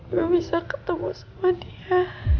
gak bisa ketemu sama dia